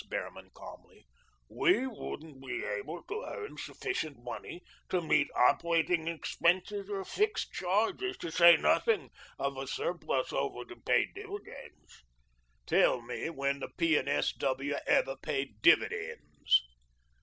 Behrman calmly, "we wouldn't be able to earn sufficient money to meet operating expenses or fixed charges, to say nothing of a surplus left over to pay dividends " "Tell me when the P. and S. W. ever paid dividends."